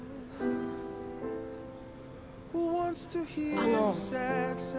あの。